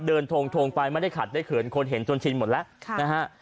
ทงไปไม่ได้ขัดได้เขินคนเห็นจนชินหมดแล้วนะฮะ